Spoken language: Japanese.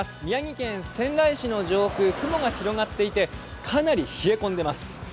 宮城県仙台市の上空雲が広がっていてかなり冷え込んでいます。